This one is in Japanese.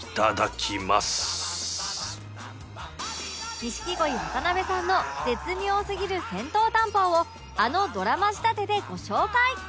錦鯉渡辺さんの絶妙すぎる銭湯探訪をあのドラマ仕立てでご紹介！